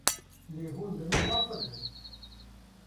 Lê hûn li min nafikirin?